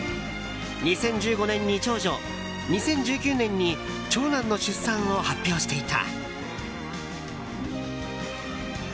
２０１５年に長女、２０１９年に長男の出産を発表していた。